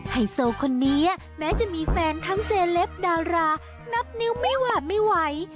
ไฮโซคนนี้แม้จะมีแฟนทั้งเซเลปดารานับนิ้วไม่หวาดไม่ไหว